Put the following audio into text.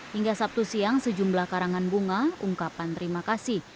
hingga sabtu siang sejumlah karangan bunga ungkapan terima kasih